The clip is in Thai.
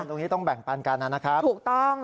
ตรงนี้ต้องแบ่งปันกันนะครับถูกต้อง